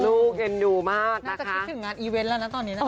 เอ็นดูมากน่าจะคิดถึงงานอีเวนต์แล้วนะตอนนี้นะคะ